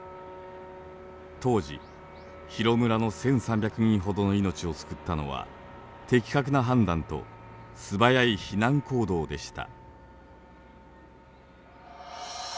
当時広村の１，３００人ほどの命を救ったのは的確な判断と素早い避難行動でした。